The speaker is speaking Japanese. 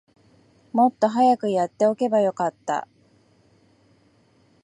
もっと早くやっておけばよかった